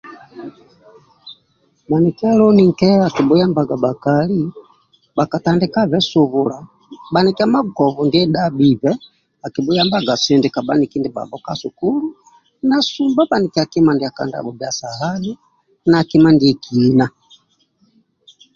Mikia loni nke akibhuyambaga bhakali bhakatandiakave subula mikia magobo ndie dhabhibe akibhuyambaga sindika bhaniki ka sukulu na sumba bhanikia kima ndia ka dabho bhia sahani na kima ndiekina